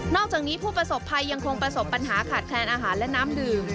อกจากนี้ผู้ประสบภัยยังคงประสบปัญหาขาดแคลนอาหารและน้ำดื่ม